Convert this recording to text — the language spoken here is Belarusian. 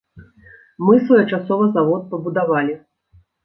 Мы своечасова завод пабудавалі.